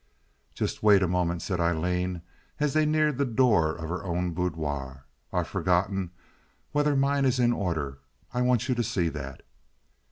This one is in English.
"Just wait a moment," said Aileen, as they neared the door of her own boudoir. "I've forgotten whether mine is in order. I want you to see that."